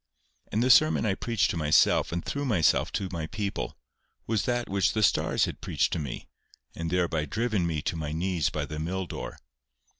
And the sermon I preached to myself and through myself to my people, was that which the stars had preached to me, and thereby driven me to my knees by the mill door.